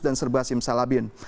dan serba simsalabin